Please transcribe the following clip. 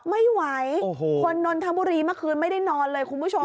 ไม่ไหวคนนนทบุรีเมื่อคืนไม่ได้นอนเลยคุณผู้ชม